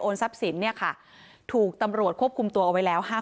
ทรัพย์สินเนี่ยค่ะถูกตำรวจควบคุมตัวเอาไว้แล้วห้า